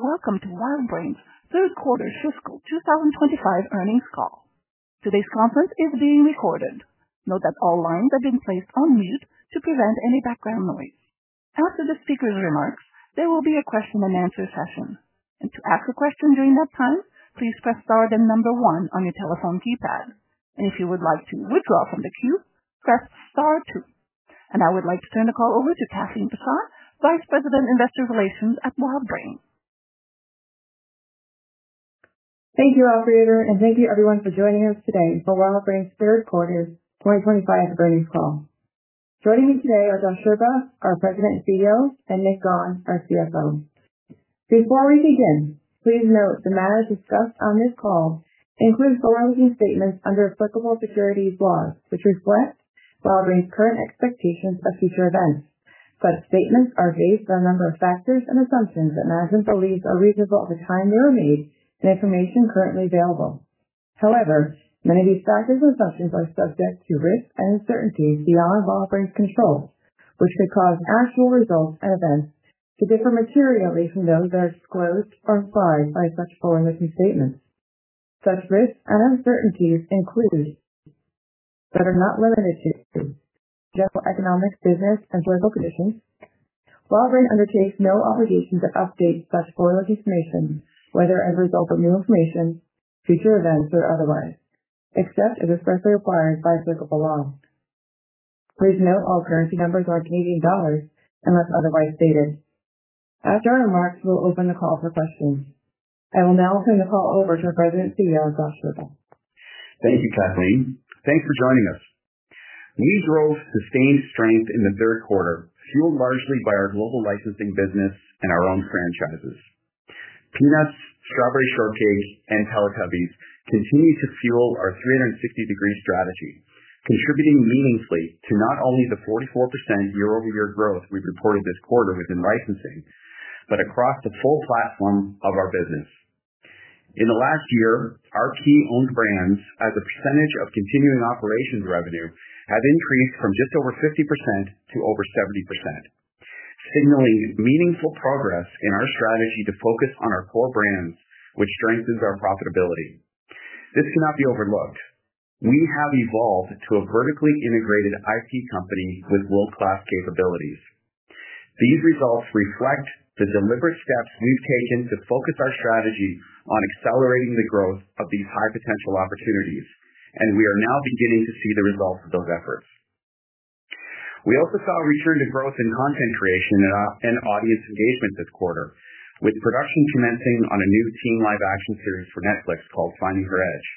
Welcome to WildBrain's Third Quarter Fiscal 2025 Earnings Call. Today's conference is being recorded. Note that all lines have been placed on mute to prevent any background noise. After the speaker's remarks, there will be a question-and-answer session. To ask a question during that time, please press star then number one on your telephone keypad. If you would like to withdraw from the queue, press star two. I would like to turn the call over to Kathleen Persaud, Vice President, Investor Relations at WildBrain. Thank you, Operator, and thank you, everyone, for joining us today for WildBrain's Third Quarter 2025 Earnings Call. Joining me today are Josh Scherba, our President and CEO, and Nick Gawne, our CFO. Before we begin, please note the matters discussed on this call include forward-looking statements under applicable securities laws, which reflect WildBrain's current expectations of future events. Such statements are based on a number of factors and assumptions that management believes are reasonable at the time they were made and information currently available. However, many of these factors and assumptions are subject to risk and uncertainties beyond WildBrain's control, which could cause actual results and events to differ materially from those that are disclosed or implied by such forward-looking statements. Such risks and uncertainties include but are not limited to general economic, business, and political conditions. WildBrain undertakes no obligation to update such forward-looking information, whether as a result of new information, future events, or otherwise, except as expressly required by fiscal law. Please note all currency numbers are CAD unless otherwise stated. After our remarks, we'll open the call for questions. I will now turn the call over to our President and CEO, Josh Scherba. Thank you, Kathleen. Thanks for joining us. We drove sustained strength in the third quarter, fueled largely by our global licensing business and our own franchises. Peanuts, Strawberry Shortcake, and Teletubbies continue to fuel our 360-degree strategy, contributing meaningfully to not only the 44% year-over-year growth we've reported this quarter within licensing, but across the full platform of our business. In the last year, our key owned brands, as a percentage of continuing operations revenue, have increased from just over 50% to over 70%, signaling meaningful progress in our strategy to focus on our core brands, which strengthens our profitability. This cannot be overlooked. We have evolved to a vertically integrated IP company with world-class capabilities. These results reflect the deliberate steps we've taken to focus our strategy on accelerating the growth of these high-potential opportunities, and we are now beginning to see the results of those efforts. We also saw a return to growth in content creation and audience engagement this quarter, with production commencing on a new teen live-action series for Netflix called Finding Her Edge,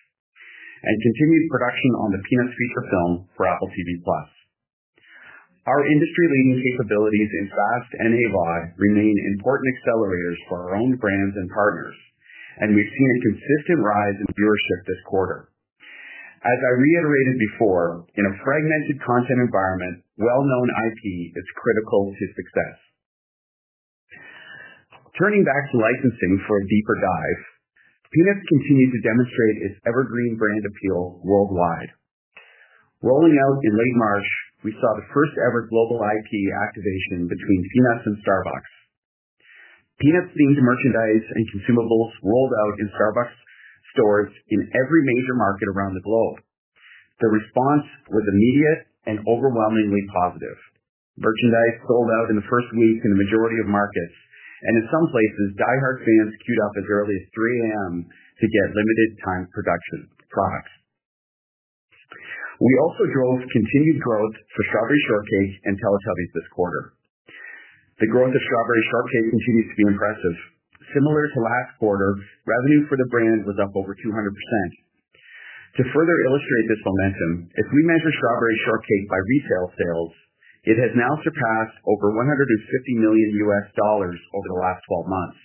and continued production on the Peanuts feature film for Apple TV+. Our industry-leading capabilities in FAST and AVOD remain important accelerators for our own brands and partners, and we've seen a consistent rise in viewership this quarter. As I reiterated before, in a fragmented content environment, well-known IP is critical to success. Turning back to licensing for a deeper dive, Peanuts continues to demonstrate its evergreen brand appeal worldwide. Rolling out in late March, we saw the first-ever global IP activation between Peanuts and Starbucks. Peanuts-themed merchandise and consumables rolled out in Starbucks stores in every major market around the globe. The responses were immediate and overwhelmingly positive. Merchandise sold out in the first week in the majority of markets, and in some places, diehard fans queued up as early as 3:00 A.M. to get limited-time production products. We also drove continued growth for Strawberry Shortcake and Teletubbies this quarter. The growth of Strawberry Shortcake continues to be impressive. Similar to last quarter, revenue for the brand was up over 200%. To further illustrate this momentum, if we measure Strawberry Shortcake by retail sales, it has now surpassed over $150 million over the last 12 months,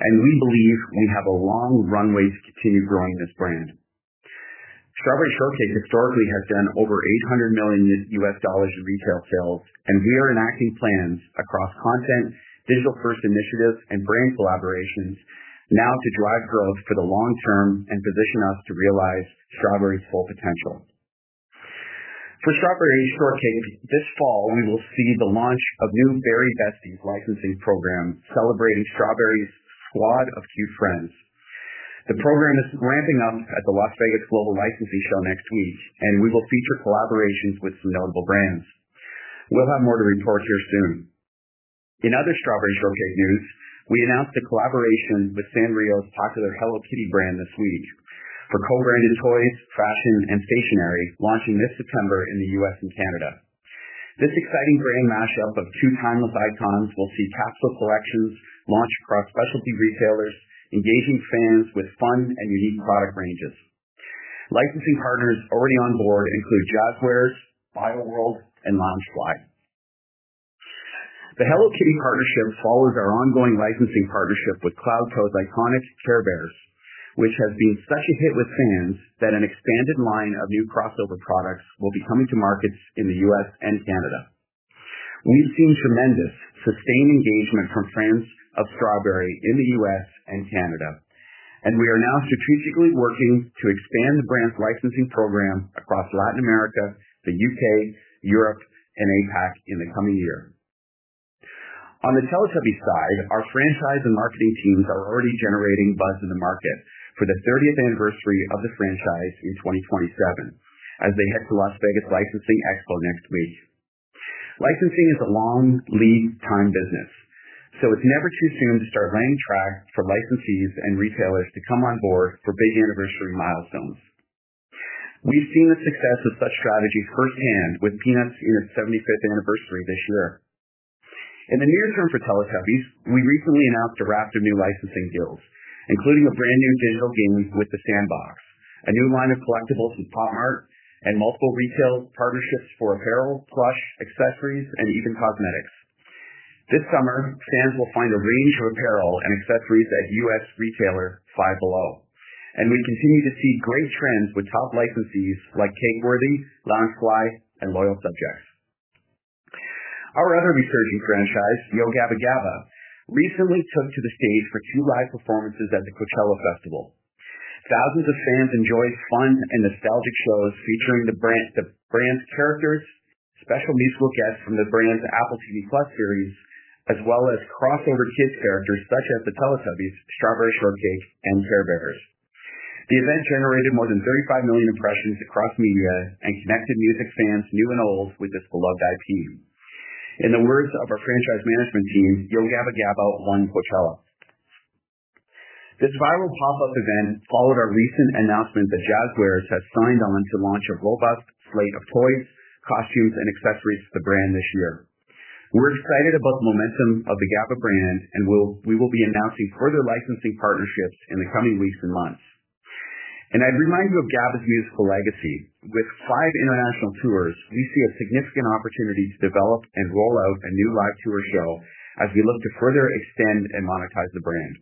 and we believe we have a long runway to continue growing this brand. Strawberry Shortcake historically has done over $800 million in retail sales, and we are enacting plans across content, digital-first initiatives, and brand collaborations now to drive growth for the long term and position us to realize Strawberry's full potential. For Strawberry Shortcake, this fall, we will see the launch of new Berry Besties licensing program celebrating Strawberry's squad of cute friends. The program is ramping up at the Las Vegas Global Licensing Show next week, and we will feature collaborations with some notable brands. We'll have more to report here soon. In other Strawberry Shortcake news, we announced a collaboration with Sanrio's popular Hello Kitty brand this week for co-branded toys, fashion, and stationery, launching this September in the U.S. and Canada. This exciting brand mashup of two timeless icons will see capsule collections launch across specialty retailers, engaging fans with fun and unique product ranges. Licensing partners already on board include Jazwares, BioWorld, and LoungeFly. The Hello Kitty partnership follows our ongoing licensing partnership with CloudCo's iconic Care Bears, which has been such a hit with fans that an expanded line of new crossover products will be coming to markets in the U.S. and Canada. We've seen tremendous sustained engagement from friends of Strawberry in the U.S. and Canada, and we are now strategically working to expand the brand's licensing program across Latin America, the U.K., Europe, and APAC in the coming year. On the Teletubbies side, our franchise and marketing teams are already generating buzz in the market for the 30th anniversary of the franchise in 2027 as they head to Las Vegas Licensing Expo next week. Licensing is a long lead time business, so it's never too soon to start laying track for licensees and retailers to come on board for big anniversary milestones. We've seen the success of such strategies firsthand with Peanuts in its 75th anniversary this year. In the near term for Teletubbies, we recently announced a raft of new licensing deals, including a brand new digital game with The Sandbox, a new line of collectibles with Pop Mart, and multiple retail partnerships for apparel, plush, accessories, and even cosmetics. This summer, fans will find a range of apparel and accessories at U.S. retailer Five Below, and we continue to see great trends with top licensees like Cakeworthy, LoungeFly, and The Loyal Subjects. Our other resurging franchise, Yo Gabba Gabba!, recently took to the stage for two live performances at the Coachella festival. Thousands of fans enjoyed fun and nostalgic shows featuring the brand's characters, special musical guests from the brand's Apple TV+ series, as well as crossover kids' characters such as the Teletubbies, Strawberry Shortcake, and Care Bears. The event generated more than 35 million impressions across media and connected music fans new and old with this beloved IP. In the words of our franchise management team, Yo Gabba Gabba! won Coachella. This viral pop-up event followed our recent announcement that Jazwares has signed on to launch a robust slate of toys, costumes, and accessories to the brand this year. We're excited about the momentum of the Gabba brand, and we will be announcing further licensing partnerships in the coming weeks and months. I'd remind you of Gabba's musical legacy. With five international tours, we see a significant opportunity to develop and roll out a new live tour show as we look to further extend and monetize the brand.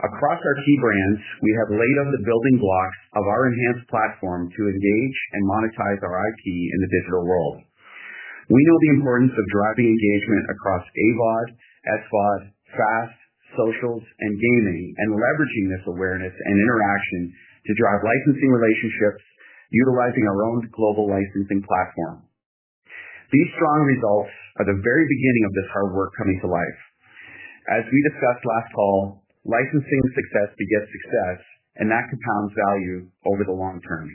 Across our key brands, we have laid out the building blocks of our enhanced platform to engage and monetize our IP in the digital world. We know the importance of driving engagement across AVOD, SVOD, FAST, socials, and gaming, and leveraging this awareness and interaction to drive licensing relationships utilizing our own global licensing platform. These strong results are the very beginning of this hard work coming to life. As we discussed last fall, licensing success begets success, and that compounds value over the long term.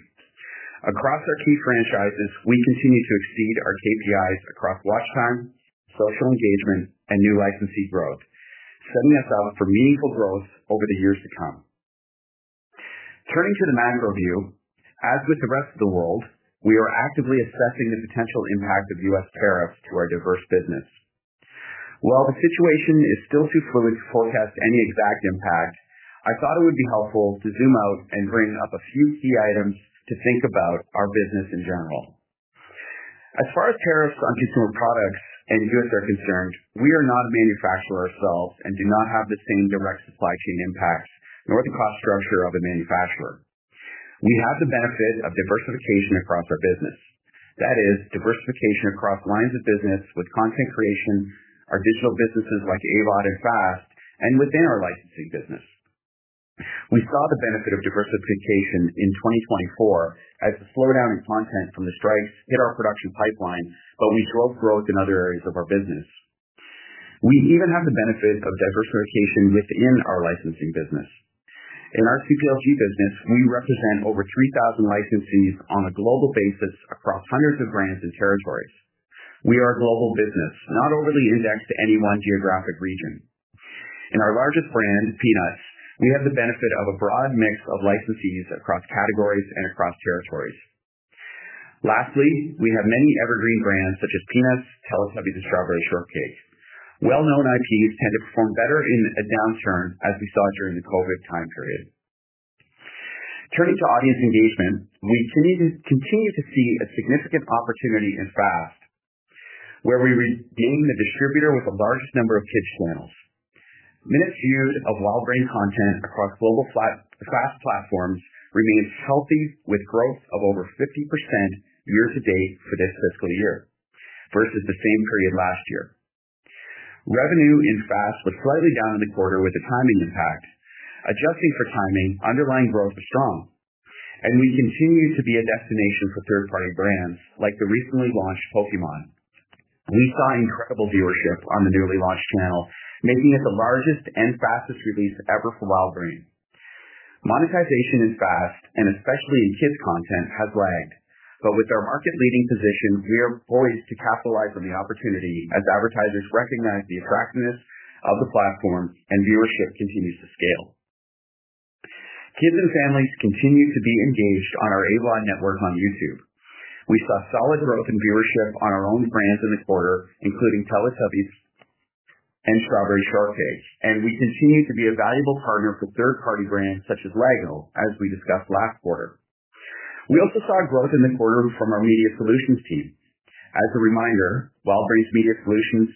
Across our key franchises, we continue to exceed our KPIs across watch time, social engagement, and new licensee growth, setting us up for meaningful growth over the years to come. Turning to the macro view, as with the rest of the world, we are actively assessing the potential impact of U.S. tariffs to our diverse business. While the situation is still too fluid to forecast any exact impact, I thought it would be helpful to zoom out and bring up a few key items to think about our business in general. As far as tariffs on consumer products and goods are concerned, we are not a manufacturer ourselves and do not have the same direct supply chain impacts nor the cost structure of a manufacturer. We have the benefit of diversification across our business. That is, diversification across lines of business with content creation, our digital businesses like AVOD and FAST, and within our licensing business. We saw the benefit of diversification in 2024 as the slowdown in content from the strikes hit our production pipeline, but we drove growth in other areas of our business. We even have the benefit of diversification within our licensing business. In our CPLG business, we represent over 3,000 licensees on a global basis across hundreds of brands and territories. We are a global business, not overly indexed to any one geographic region. In our largest brand, Peanuts, we have the benefit of a broad mix of licensees across categories and across territories. Lastly, we have many evergreen brands such as Peanuts, Teletubbies, and Strawberry Shortcake. Well-known IPs tend to perform better in a downturn as we saw during the COVID time period. Turning to audience engagement, we continue to see a significant opportunity in FAST, where we remain the distributor with the largest number of kids' channels. Minutes viewed of WildBrain content across global FAST platforms remains healthy with growth of over 50% year to date for this fiscal year versus the same period last year. Revenue in FAST was slightly down in the quarter with a timing impact. Adjusting for timing, underlying growth was strong, and we continue to be a destination for third-party brands like the recently launched Pokémon. We saw incredible viewership on the newly launched channel, making it the largest and fastest release ever for WildBrain. Monetization in FAST, and especially in kids' content, has lagged, but with our market-leading position, we are poised to capitalize on the opportunity as advertisers recognize the attractiveness of the platform and viewership continues to scale. Kids and families continue to be engaged on our AVOD network on YouTube. We saw solid growth in viewership on our own brands in the quarter, including Teletubbies and Strawberry Shortcake, and we continue to be a valuable partner for third-party brands such as LEGO, as we discussed last quarter. We also saw growth in the quarter from our media solutions team. As a reminder, WildBrain's media solutions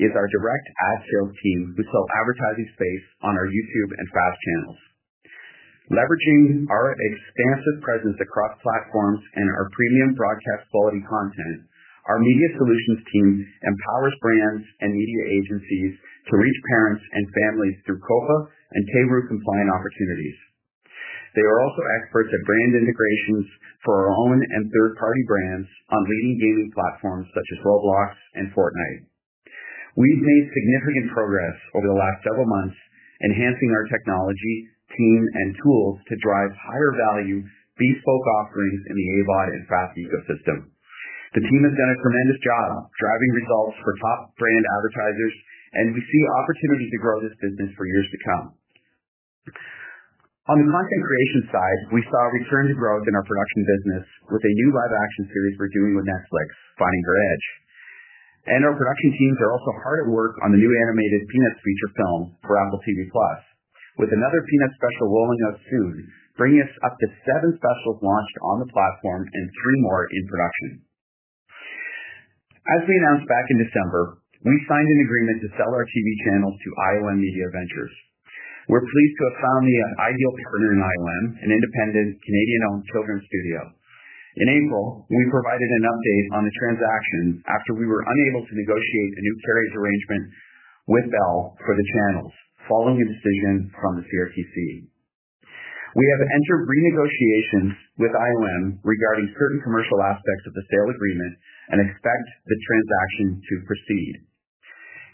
is our direct ad sales team who sell advertising space on our YouTube and FAST channels. Leveraging our expansive presence across platforms and our premium broadcast quality content, our media solutions team empowers brands and media agencies to reach parents and families through COPPA and KRU compliant opportunities. They are also experts at brand integrations for our own and third-party brands on leading gaming platforms such as Roblox and Fortnite. We've made significant progress over the last several months, enhancing our technology, team, and tools to drive higher-value bespoke offerings in the AVOD and FAST ecosystem. The team has done a tremendous job driving results for top brand advertisers, and we see opportunities to grow this business for years to come. On the content creation side, we saw return to growth in our production business with a new live-action series we're doing with Netflix, Finding Her Edge. Our production teams are also hard at work on the new animated Peanuts feature film for Apple TV+, with another Peanuts special rolling out soon, bringing us up to seven specials launched on the platform and three more in production. As we announced back in December, we signed an agreement to sell our TV channels to IoM Media Ventures. We're pleased to have found the ideal partner in IoM, an independent Canadian-owned children's studio. In April, we provided an update on the transaction after we were unable to negotiate a new carriage arrangement with Bell for the channels, following a decision from the CRTC. We have entered renegotiations with IoM regarding certain commercial aspects of the sale agreement and expect the transaction to proceed.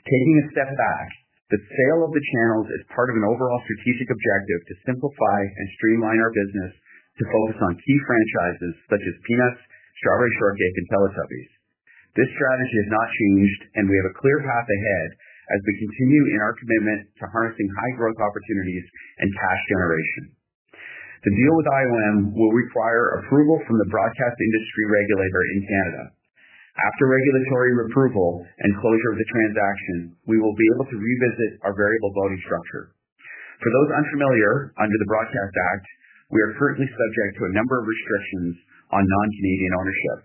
Taking a step back, the sale of the channels is part of an overall strategic objective to simplify and streamline our business to focus on key franchises such as Peanuts, Strawberry Shortcake, and Teletubbies. This strategy has not changed, and we have a clear path ahead as we continue in our commitment to harnessing high-growth opportunities and cash generation. The deal with IoM will require approval from the broadcast industry regulator in Canada. After regulatory approval and closure of the transaction, we will be able to revisit our variable voting structure. For those unfamiliar under the Broadcast Act, we are currently subject to a number of restrictions on non-Canadian ownership.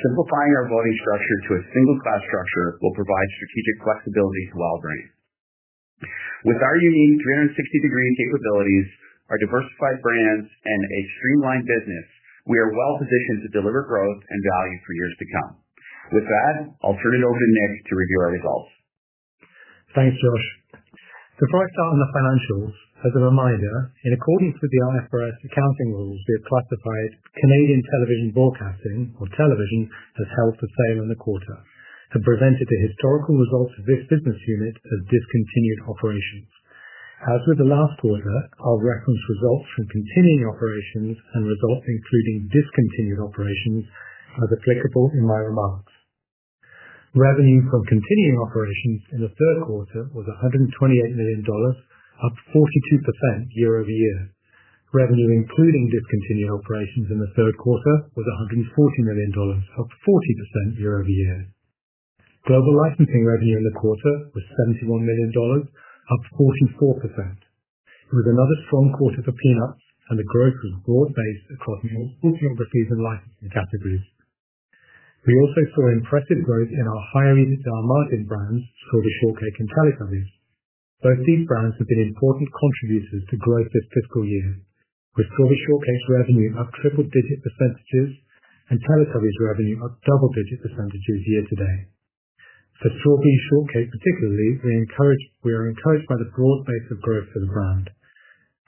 Simplifying our voting structure to a single-class structure will provide strategic flexibility to WildBrain. With our unique 360-degree capabilities, our diversified brands, and a streamlined business, we are well-positioned to deliver growth and value for years to come. With that, I'll turn it over to Nick to review our results. Thanks, Josh. Before I start on the financials, as a reminder, in accordance with the IFRS accounting rules, we have classified Canadian television broadcasting or television as held for sale in the quarter and presented the historical results of this business unit as discontinued operations. As with the last quarter, I'll reference results from continuing operations and results including discontinued operations as applicable in my remarks. Revenue from continuing operations in the third quarter was 128 million dollars, up 42% year-over-year. Revenue including discontinued operations in the third quarter was 140 million dollars, up 40% year-over-year. Global licensing revenue in the quarter was 71 million dollars, up 44%. It was another strong quarter for Peanuts, and the growth was broad-based across multiple geographies and licensing categories. We also saw impressive growth in our higher-margin brands, Strawberry Shortcake and Teletubbies. Both these brands have been important contributors to growth this fiscal year, with Strawberry Shortcake's revenue up triple-digit percentages and Teletubbies' revenue up double-digit percentages year to date. For Strawberry Shortcake particularly, we are encouraged by the broad base of growth for the brand.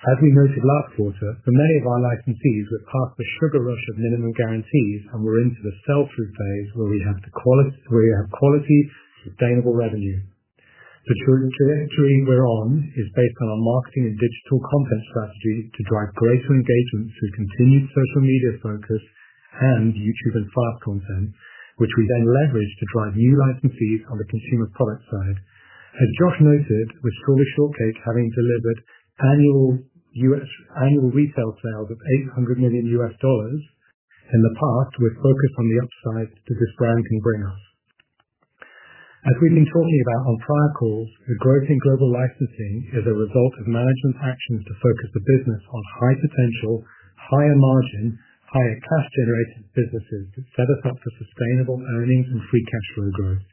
As we noted last quarter, for many of our licensees, we're past the sugar rush of minimum guarantees and we're into the sell-through phase where we have quality, sustainable revenue. The trajectory we're on is based on our marketing and digital content strategy to drive greater engagement through continued social media focus and YouTube and FAST content, which we then leverage to drive new licensees on the consumer product side. As Josh noted, with Strawberry Shortcake having delivered annual retail sales of $800 million U.S. dollars in the past, we're focused on the upside that this brand can bring us. As we've been talking about on prior calls, the growth in global licensing is a result of management's actions to focus the business on high potential, higher margin, higher cash-generated businesses that set us up for sustainable earnings and free cash flow growth.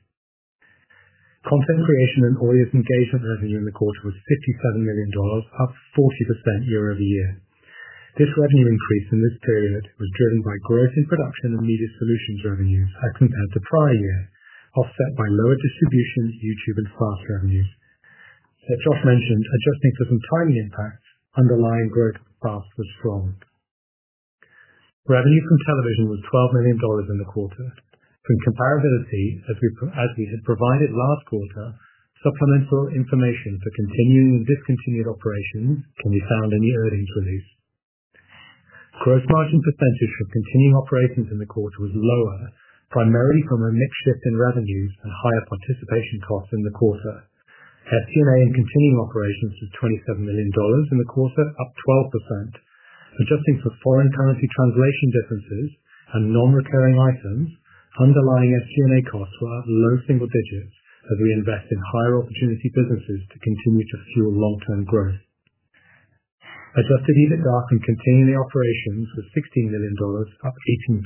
Content creation and audience engagement revenue in the quarter was 57 million dollars, up 40% year-over-year. This revenue increase in this period was driven by growth in production and media solutions revenues as compared to prior year, offset by lower distribution, YouTube, and FAST revenues. As Josh mentioned, adjusting for some timing impacts, underlying growth in FAST was strong. Revenue from television was 12 million dollars in the quarter. For comparability, as we had provided last quarter, supplemental information for continuing and discontinued operations can be found in the earnings release. Gross margin percentage for continuing operations in the quarter was lower, primarily from a mix shift in revenues and higher participation costs in the quarter. SG&A in continuing operations was 27 million dollars in the quarter, up 12%. Adjusting for foreign currency translation differences and non-recurring items, underlying SG&A costs were up low single digits as we invest in higher opportunity businesses to continue to fuel long-term growth. Adjusted EBITDA from continuing operations was CAD 16 million, up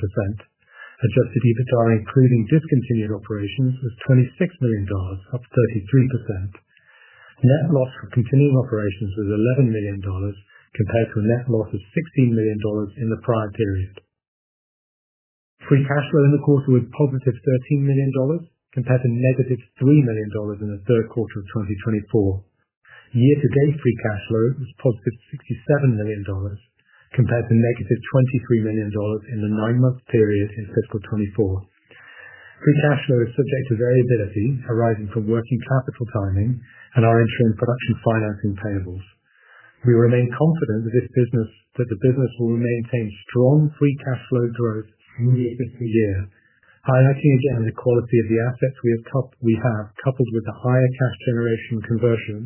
18%. Adjusted EBITDA including discontinued operations was CAD 26 million, up 33%. Net loss from continuing operations was 11 million compared to a net loss of CAD 16 million in the prior period. Free cash flow in the quarter was positive CAD 13 million compared to CAD -3 million in the third quarter of 2024. Year-to-date free cash flow was positive $67 million compared to negative $23 million in the nine-month period in fiscal 2024. Free cash flow is subject to variability arising from working capital timing and our interim production financing payables. We remain confident that the business will maintain strong free cash flow growth in the existing year, highlighting again the quality of the assets we have coupled with the higher cash generation conversion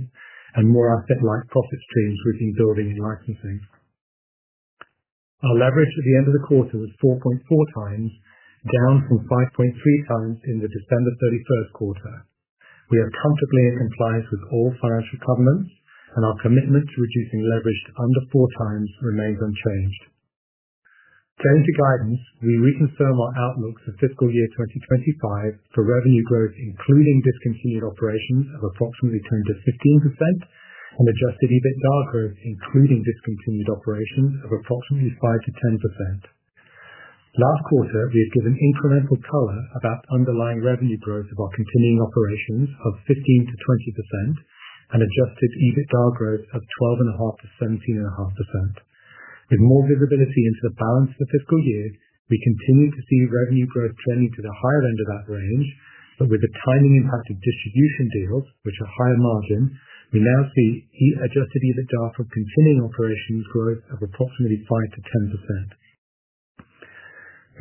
and more asset-like profit streams we've been building in licensing. Our leverage at the end of the quarter was 4.4 times, down from 5.3 times in the December 31 quarter. We are comfortably in compliance with all financial covenants, and our commitment to reducing leverage to under four times remains unchanged. Turning to guidance, we reconfirm our outlook for fiscal year 2025 for revenue growth including discontinued operations of approximately 10-15% and adjusted EBITDA growth including discontinued operations of approximately 5-10%. Last quarter, we have given incremental color about underlying revenue growth of our continuing operations of 15-20% and adjusted EBITDA growth of 12.5-17.5%. With more visibility into the balance of the fiscal year, we continue to see revenue growth trending to the higher end of that range, but with the timing impact of distribution deals, which are higher margin, we now see adjusted EBITDA from continuing operations growth of approximately 5-10%.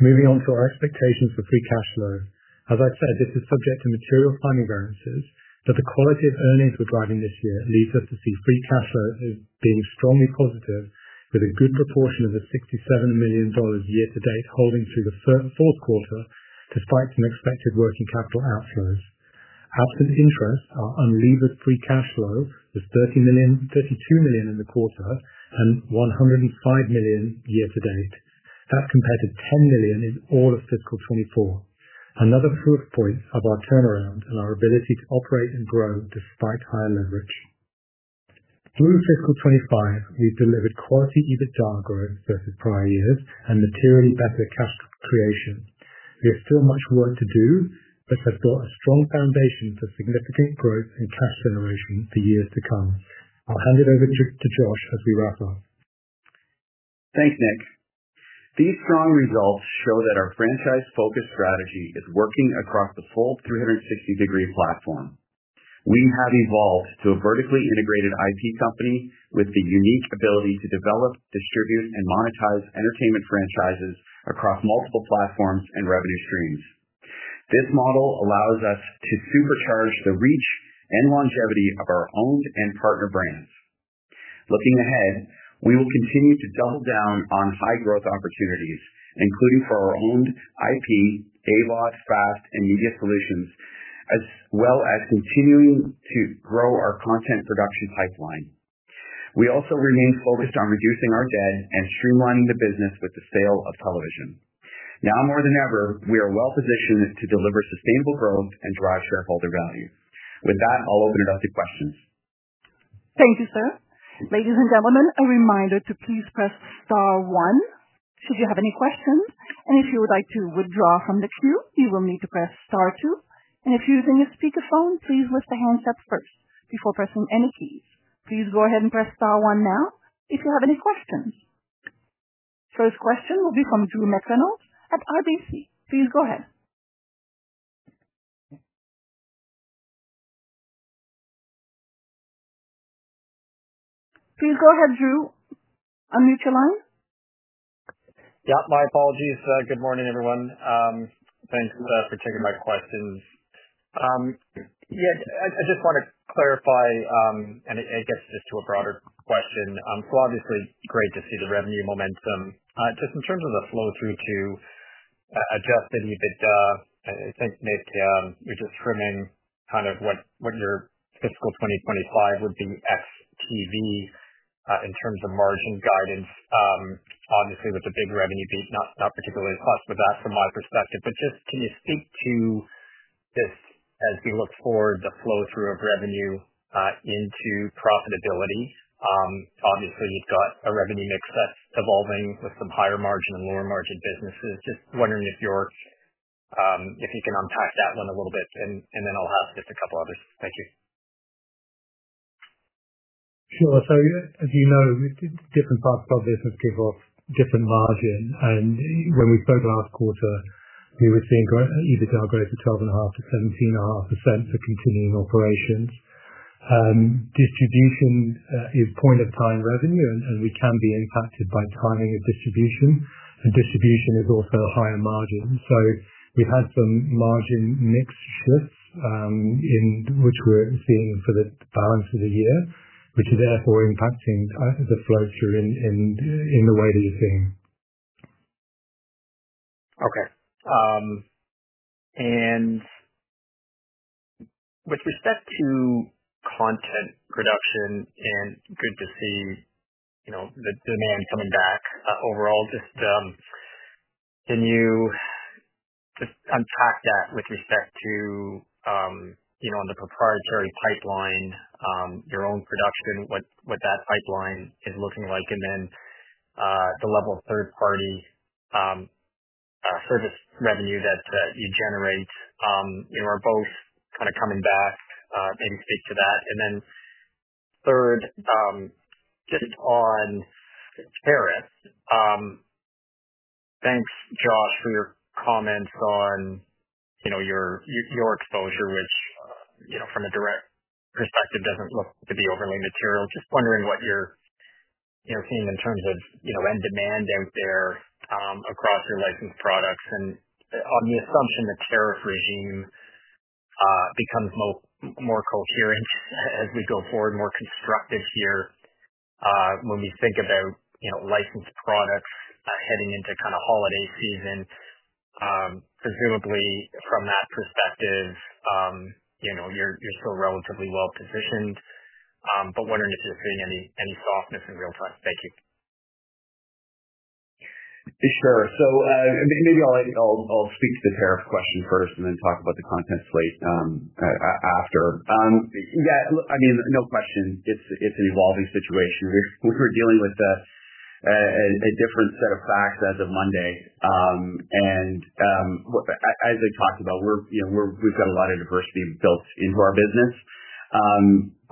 Moving on to our expectations for free cash flow. As I said, this is subject to material timing variances, but the quality of earnings we're driving this year leads us to see free cash flow being strongly positive, with a good proportion of the 67 million dollars year-to-date holding through the fourth quarter despite some expected working capital outflows. Absent interest, our unlevered free cash flow was 32 million in the quarter and 105 million year-to-date. That's compared to 10 million in all of fiscal 2024. Another proof point of our turnaround and our ability to operate and grow despite higher leverage. Through fiscal 2025, we've delivered quality EBITDA growth versus prior years and materially better cash creation. There's still much work to do, but it has built a strong foundation for significant growth and cash generation for years to come. I'll hand it over to Josh as we wrap up. Thanks, Nick. These strong results show that our franchise-focused strategy is working across the full 360-degree platform. We have evolved to a vertically integrated IP company with the unique ability to develop, distribute, and monetize entertainment franchises across multiple platforms and revenue streams. This model allows us to supercharge the reach and longevity of our owned and partner brands. Looking ahead, we will continue to double down on high-growth opportunities, including for our owned IP, AVOD, FAST, and media solutions, as well as continuing to grow our content production pipeline. We also remain focused on reducing our debt and streamlining the business with the sale of television. Now more than ever, we are well-positioned to deliver sustainable growth and drive shareholder value. With that, I'll open it up to questions. Thank you, sir. Ladies and gentlemen, a reminder to please press star one should you have any questions. If you would like to withdraw from the queue, you will need to press star two. If you are using a speakerphone, please lift the handset first before pressing any keys. Please go ahead and press star one now if you have any questions. First question will be from Drew McReynolds at RBC. Please go ahead. Please go ahead, Drew. Unmute your line. Yep. My apologies. Good morning, everyone. Thanks for taking my questions. Yeah. I just want to clarify, and it gets just to a broader question. Obviously, great to see the revenue momentum. Just in terms of the flow through to adjusted EBITDA, I think, Nick, you are just trimming kind of what your fiscal 2025 would be XTV in terms of margin guidance. Obviously, with the big revenue beat, not particularly a clutch with that from my perspective. Just can you speak to this as we look forward, the flow through of revenue into profitability? Obviously, you've got a revenue mix that's evolving with some higher-margin and lower-margin businesses. Just wondering if you can unpack that one a little bit, and then I'll have just a couple others. Thank you. Sure. As you know, different parts of our business give off different margin. When we spoke last quarter, we were seeing EBITDA growth of 12.5%-17.5% for continuing operations. Distribution is point-of-time revenue, and we can be impacted by timing of distribution. Distribution is also higher margin. We've had some margin mix shifts in which we're seeing for the balance of the year, which are therefore impacting the flow through in the way that you're seeing. Okay. With respect to content production, good to see the demand coming back overall. Can you just unpack that with respect to, on the proprietary pipeline, your own production, what that pipeline is looking like, and then the level of third-party service revenue that you generate? Are both kind of coming back? Maybe speak to that. Third, just on tariffs, thanks, Josh, for your comments on your exposure, which from a direct perspective does not look to be overly material. Just wondering what you are seeing in terms of end demand out there across your licensed products. On the assumption that the tariff regime becomes more coherent as we go forward, more constructive here, when we think about licensed products heading into the holiday season, presumably from that perspective, you are still relatively well-positioned. Wondering if you are seeing any softness in real time. Thank you. Sure. Maybe I'll speak to the tariff question first and then talk about the content slate after. Yeah. I mean, no question. It's an evolving situation. We were dealing with a different set of facts as of Monday. And as I talked about, we've got a lot of diversity built into our business.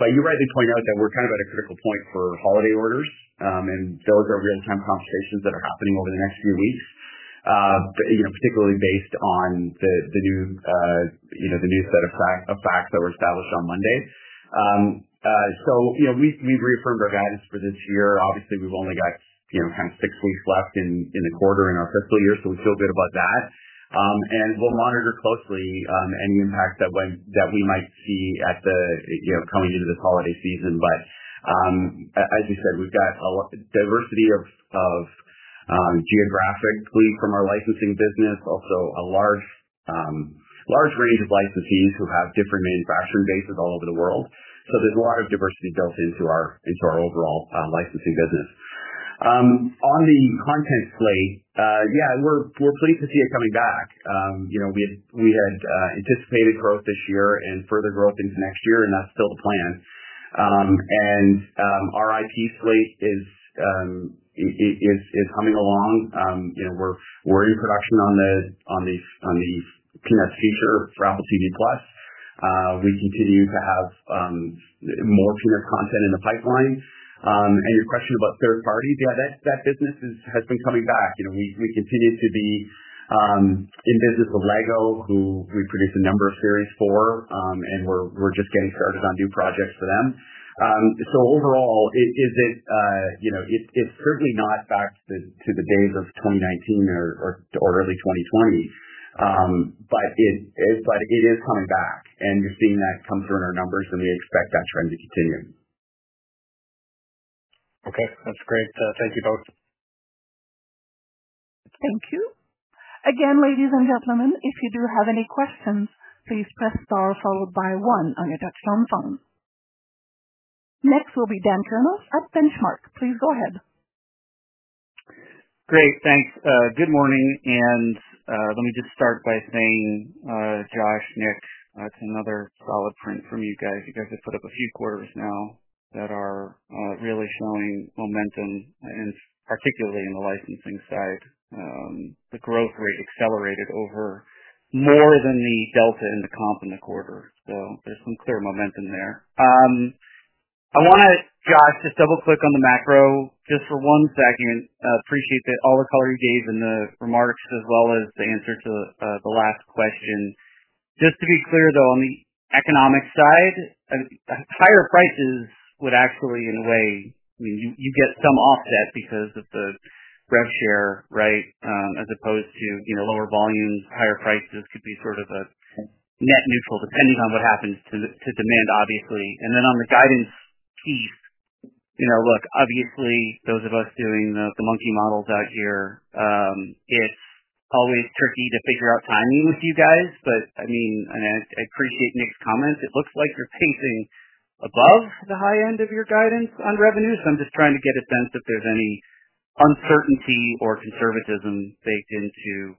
You rightly point out that we're kind of at a critical point for holiday orders. Those are real-time conversations that are happening over the next few weeks, particularly based on the new set of facts that were established on Monday. We've reaffirmed our guidance for this year. Obviously, we've only got kind of six weeks left in the quarter in our fiscal year, so we feel good about that. We'll monitor closely any impact that we might see coming into this holiday season. As you said, we've got a diversity geographically from our licensing business, also a large range of licensees who have different manufacturing bases all over the world. There is a lot of diversity built into our overall licensing business. On the content slate, yeah, we're pleased to see it coming back. We had anticipated growth this year and further growth into next year, and that's still the plan. Our IP slate is humming along. We're in production on the Peanuts feature for Apple TV+. We continue to have more Peanuts content in the pipeline. Your question about third parties, yeah, that business has been coming back. We continue to be in business with LEGO, who we produce a number of series for, and we're just getting started on new projects for them. Overall, it's certainly not back to the days of 2019 or early 2020, but it is coming back. You're seeing that come through in our numbers, and we expect that trend to continue. Okay. That's great. Thank you both. Thank you. Again, ladies and gentlemen, if you do have any questions, please press star followed by one on your touch-tone phone. Next will be Dan Kurnos at Benchmark. Please go ahead. Great. Thanks. Good morning. Let me just start by saying, Josh, Nick, that's another solid print from you guys. You guys have put up a few quarters now that are really showing momentum, and particularly in the licensing side. The growth rate accelerated over more than the delta in the comp in the quarter. There's some clear momentum there. I want to, Josh, just double-click on the macro just for one second. Appreciate all the color you gave in the remarks as well as the answer to the last question. Just to be clear, though, on the economic side, higher prices would actually, in a way, I mean, you get some offset because of the rev share, right, as opposed to lower volumes. Higher prices could be sort of a net neutral depending on what happens to demand, obviously. On the guidance piece, look, obviously, those of us doing the monkey models out here, it's always tricky to figure out timing with you guys. I mean, and I appreciate Nick's comments. It looks like you're pacing above the high end of your guidance on revenue. I'm just trying to get a sense if there's any uncertainty or conservatism baked into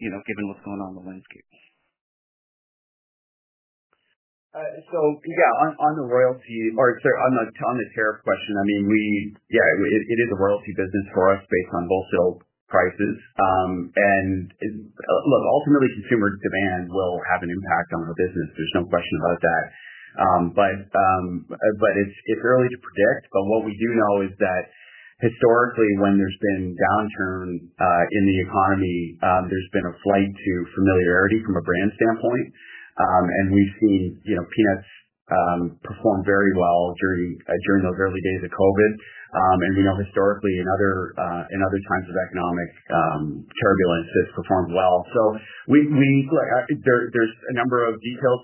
given what's going on in the landscape. Yeah, on the royalty or sorry, on the tariff question, I mean, yeah, it is a royalty business for us based on wholesale prices. Look, ultimately, consumer demand will have an impact on our business. There's no question about that. It's early to predict. What we do know is that historically, when there's been downturn in the economy, there's been a flight to familiarity from a brand standpoint. We've seen Peanuts perform very well during those early days of COVID. We know historically, in other times of economic turbulence, it's performed well. There's a number of details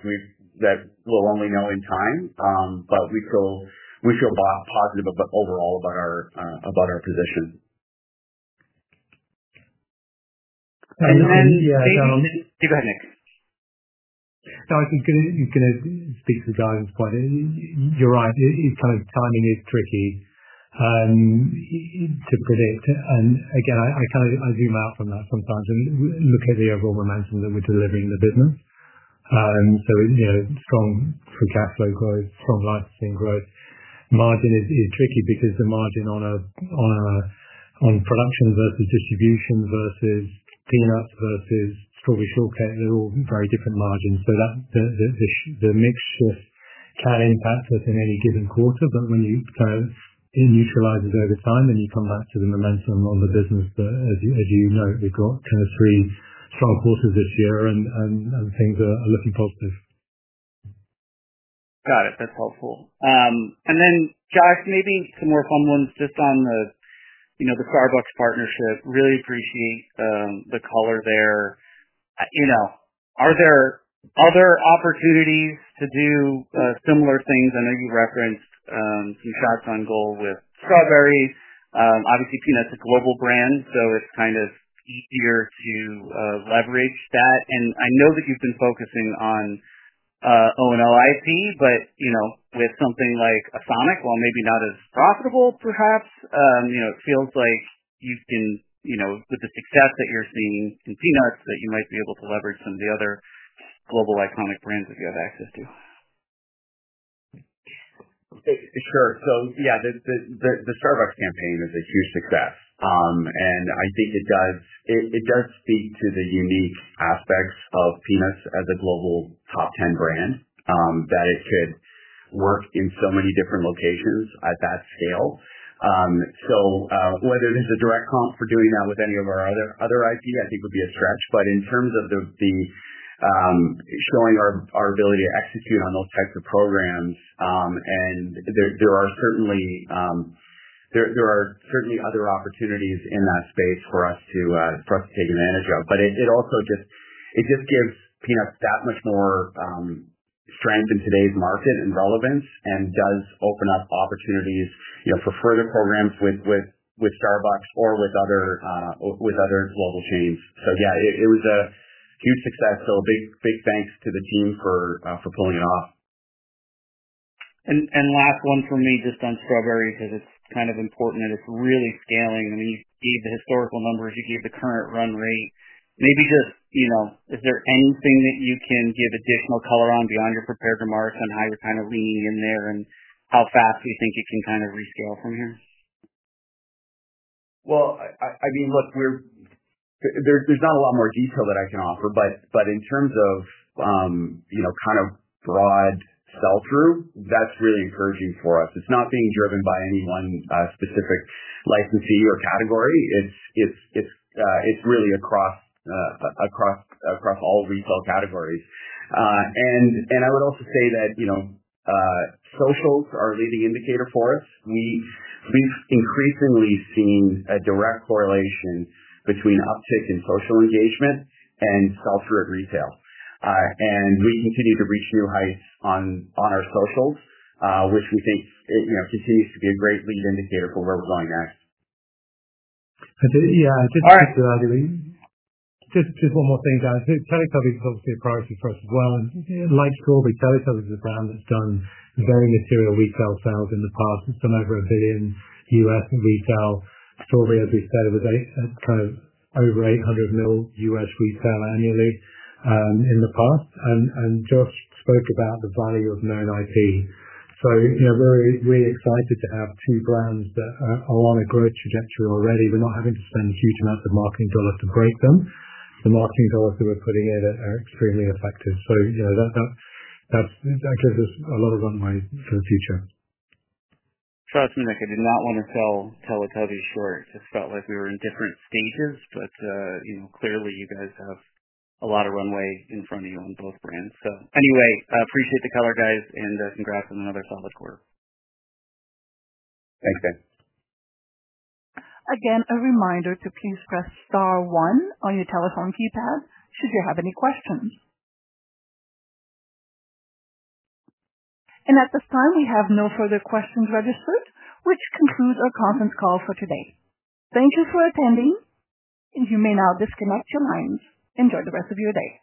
that we'll only know in time, but we feel positive overall about our position. You go ahead, Nick. No, I think you're going to speak to the guidance point. You're right. Kind of timing is tricky to predict. I kind of zoom out from that sometimes and look at the overall momentum that we're delivering in the business. Strong free cash flow growth, strong licensing growth. Margin is tricky because the margin on production versus distribution versus Peanuts versus Strawberry Shortcake, they're all very different margins. The mix shift can impact us in any given quarter. When you kind of neutralize it over time, you come back to the momentum on the business. As you know, we've got three strong quarters this year, and things are looking positive. Got it. That's helpful. Josh, maybe some more fun ones just on the Starbucks partnership. Really appreciate the color there. Are there other opportunities to do similar things? I know you referenced some shots on goal with Strawberry. Obviously, Peanuts is a global brand, so it's kind of easier to leverage that. I know that you've been focusing on O&O IP, but with something like a Sonic, well, maybe not as profitable, perhaps. It feels like you can, with the success that you're seeing in Peanuts, that you might be able to leverage some of the other global iconic brands that you have access to. Sure. Yeah, the Starbucks campaign is a huge success. I think it does speak to the unique aspects of Peanuts as a global top 10 brand, that it could work in so many different locations at that scale. Whether there's a direct comp for doing that with any of our other IP, I think, would be a stretch. In terms of showing our ability to execute on those types of programs, and there are certainly other opportunities in that space for us to take advantage of. It just gives Peanuts that much more strength in today's market and relevance and does open up opportunities for further programs with Starbucks or with other global chains. Yeah, it was a huge success. A big thanks to the team for pulling it off. Last one for me just on Strawberry because it's kind of important. It's really scaling. I mean, you gave the historical numbers. You gave the current run rate. Maybe just, is there anything that you can give additional color on beyond your prepared remarks on how you're kind of leaning in there and how fast you think you can kind of rescale from here? I mean, look, there's not a lot more detail that I can offer. In terms of kind of broad sell-through, that's really encouraging for us. It's not being driven by any one specific licensee or category. It's really across all retail categories. I would also say that socials are a leading indicator for us. We've increasingly seen a direct correlation between uptick in social engagement and sell-through at retail. We continue to reach new heights on our socials, which we think continues to be a great lead indicator for where we're going next. Yeah. Just one more thing, guys. Teletubbies is obviously a priority for us as well. Like Strawberry, Teletubbies is a brand that's done very material retail sales in the past. It's done over $1 billion U.S. in retail. Strawberry, as we said, it was kind of over $800 million U.S. retail annually in the past. And Josh spoke about the value of known IP. So we're really excited to have two brands that are on a growth trajectory already. We're not having to spend huge amounts of marketing dollars to break them. The marketing dollars that we're putting in are extremely effective. That gives us a lot of runway for the future. Trust me, Nick, I did not want to sell Teletubbies short. It just felt like we were in different stages. But clearly, you guys have a lot of runway in front of you on both brands. Anyway, appreciate the color, guys, and congrats on another solid quarter. Thanks, Dan. Again, a reminder to please press star one on your telephone keypad should you have any questions. At this time, we have no further questions registered, which concludes our conference call for today. Thank you for attending. You may now disconnect your lines. Enjoy the rest of your day.